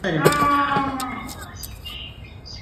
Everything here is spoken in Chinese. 斯凯尔斯还有一个光荣的记录。